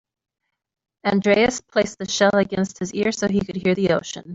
Andreas placed the shell against his ear so he could hear the ocean.